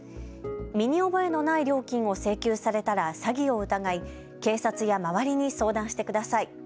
身に覚えのない料金を請求されたら詐欺を疑い、警察や周りに相談してください。